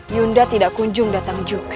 yunda tidak kunjung datang juga